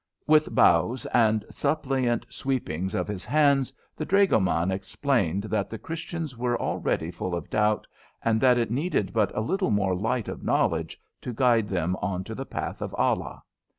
With bows and suppliant sweepings of his hands the dragoman explained that the Christians were already full of doubt, and that it needed but a little more light of knowledge to guide them on to the path of Allah.